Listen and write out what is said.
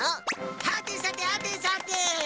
はてさてはてさて！